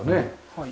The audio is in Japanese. はい。